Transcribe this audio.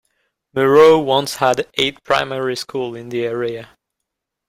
Murroe once had eight primary schools in the area.